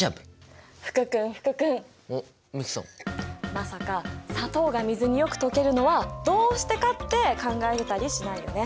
まさか「砂糖が水によく溶けるのはどうしてか」って考えてたりしないよね？